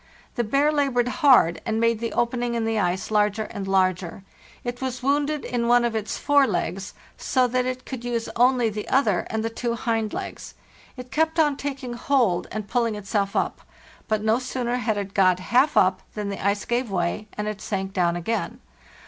The bear labored hard, and made the opening in the ice larger and larger. It was wounded in one of its fore legs, so that it could use only the other, and the two hind legs. It kept on taking hold and pulling itself up. But no sooner had it got half up than the ice gave way, and it sank down again.